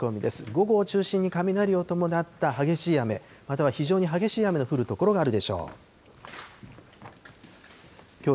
午後を中心に雷を伴った激しい雨、または非常に激しい雨の降る所があるでしょう。